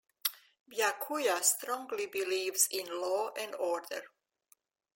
Byakuya strongly believes in law and order.